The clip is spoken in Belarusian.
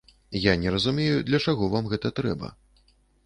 Я не разумею, для чаго вам гэта трэба.